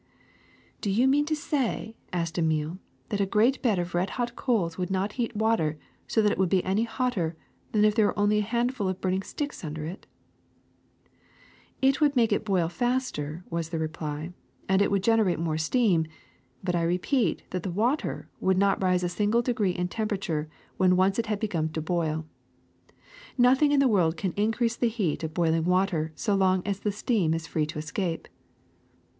'^ ^^Do you mean to say,'' asked Emile, ^Hhat a great bed of red hot coals would not heat water so that it would be any hotter than if there were only a handful of burning sticks under it ?'' ^'It would make it boil faster,'' was the reply, and it would generate more steam ; but I repeat that the water would not rise a single degree in tempera ture when once it had begun to boil. Nothing in the world can increase the heat of boiling water so long as the steam is free to escape."